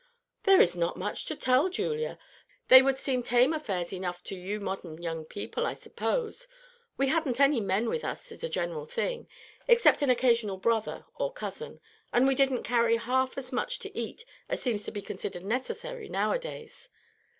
"There is not much to tell, Julia. They would seem tame affairs enough to you modern young people, I suppose. We hadn't any men with us as a general thing, except an occasional brother or cousin, and we didn't carry half as much to eat as seems to be considered necessary now a days.